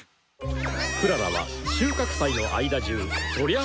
クララは収穫祭の間中そりゃあ